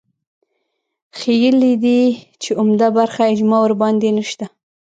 ښييلي دي چې عمده برخه اجماع ورباندې نشته